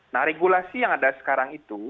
nah regulasi yang ada sekarang itu